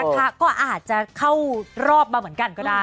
ก็อาจจะเข้ารอบมาเหมือนกันก็ได้